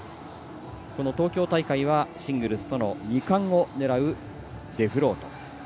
東京大会はシングルスとの２冠を狙うデフロート。